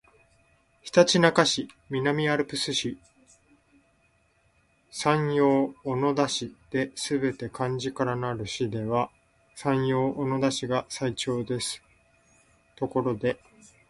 ひたちなか市、南アルプス市、山陽小野田市ですべて漢字からなる市では山陽小野田市が最長ですところで